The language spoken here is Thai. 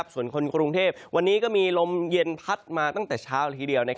ส่วนคนกรุงเทพวันนี้ก็มีลมเย็นพัดมาตั้งแต่เช้าละทีเดียว